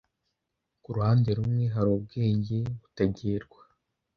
Ku ruhande rumwe hari ubwenge butagerwa,